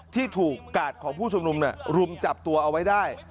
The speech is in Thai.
ที่ถูกกาดของผู้ชุมนุมรุมจับตัวเอาไว้ได้